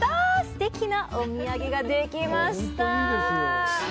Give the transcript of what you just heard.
すてきなお土産ができました！